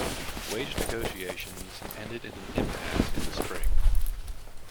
Wage negotiations ended in an impasse in the spring.